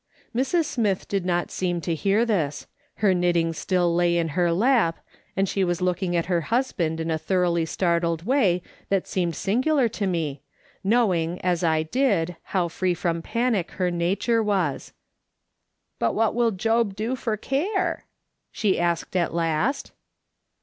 Mrs. Smith did not seem to hear his ; her knitting still lay in her lap and she was looking at her hus band in a thoroughly startled way that seemed singular to me, knowing, as I. did, how free from panic her nature was. " But what will Job do for care ?' she asked at last.